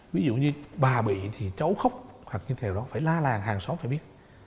ví dụ như bà bị thì cháu khóc hoặc như thế nào đó phải la làng hàng xóm phải biết